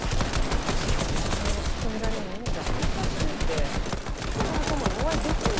自分で名前も突き止められんようじゃ恥ずかしゅうて心の友にお会いできんき。